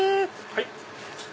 はい。